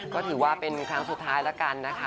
ก็ถือว่าเป็นครั้งสุดท้ายแล้วกันนะคะ